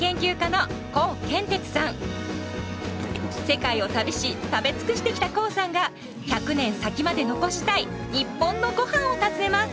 世界を旅し食べ尽くしてきたコウさんが１００年先まで残したい日本のゴハンを訪ねます。